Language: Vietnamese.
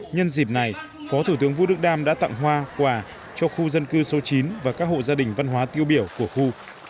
nhân dịp này phó thủ tướng vũ đức đam đã tặng hoa quà cho khu dân cư số chín và các hộ gia đình văn hóa tiêu biểu của khu